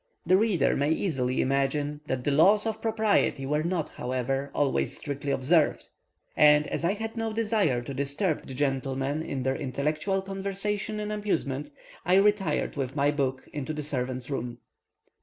The reader may easily imagine that the laws of propriety were not, however, always strictly observed, and as I had no desire to disturb the gentlemen in their intellectual conversation and amusement, I retired with my book into the servants' room.